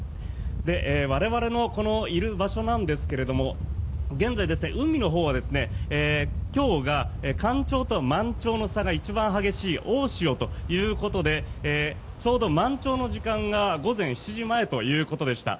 我々のこのいる場所なんですが現在、海のほうは今日が干潮と満潮の差が一番激しい大潮ということでちょうど満潮の時間が午前７時前ということでした。